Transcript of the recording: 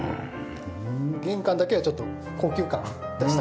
玄関だけはちょっと高級感出したかったので。